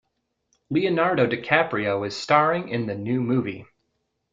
Leonardo DiCaprio is staring in the new movie.